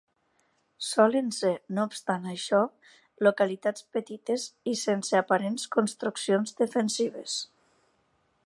Solen ser no obstant això, localitats petites, i sense aparents construccions defensives.